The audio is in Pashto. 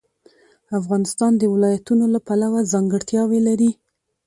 افغانستان د ولایتونو له پلوه ځانګړتیاوې لري.